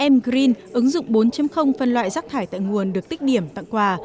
m green ứng dụng bốn phân loại rác thải tại nguồn được tích điểm tặng quà